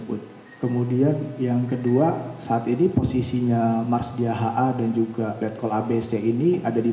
bagaimana dengan apc ini